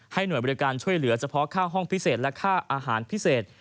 หน่วยบริการช่วยเหลือเฉพาะค่าห้องพิเศษและค่าอาหารพิเศษ